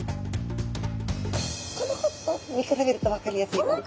この子と見比べると分かりやすいかも。